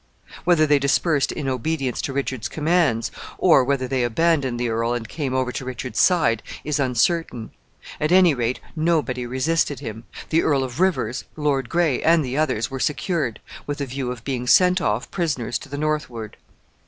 Whether they dispersed in obedience to Richard's commands, or whether they abandoned the earl and came over to Richard's side, is uncertain. At any rate, nobody resisted him. The Earl of Rivers, Lord Gray, and the others were secured, with a view of being sent off prisoners to the northward.